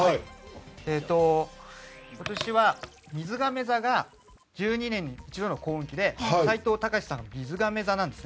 今年はみずがめ座が１２年に一度の幸運期で斎藤隆さんはみずがめ座なんです。